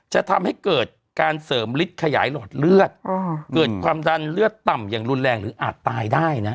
จะทำให้เกิดการเสริมฤทธิ์ขยายหลอดเลือดเกิดความดันเลือดต่ำอย่างรุนแรงหรืออาจตายได้นะ